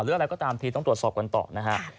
หรืออะไรก็ตามทีนี้ต้องตรวจสอบก่อนต่อนะฮะ